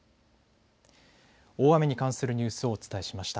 大雨に関するニュースをお伝えしました。